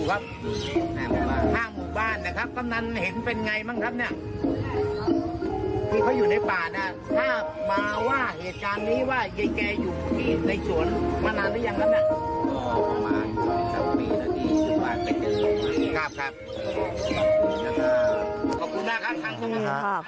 ขอบคุณมากครับข้างครับ